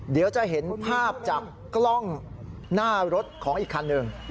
เดี๋ยวจะเห็นภาพจากกล้องหน้ารถของอีกคันหนึ่ง